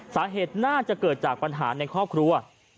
สาเหตุน่าจะเกิดจากปัญหาในครอบครัว